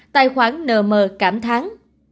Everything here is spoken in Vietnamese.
tài khoản nờ mờ cảm thắng